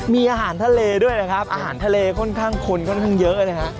มีอาหารทะเลด้วยนะครับอาหารทะเลค่อนข้างคนค่อนข้างเยอะนะฮะ